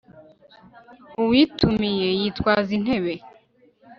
uwitumiye yitwaza intebe